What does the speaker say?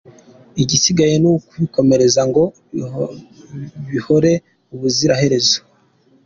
Igisigaye, ni ukubikomeza ngo bihoreho ubuzira herezo.